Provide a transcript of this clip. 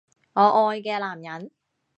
我愛嘅男人